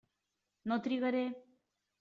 No trigaré.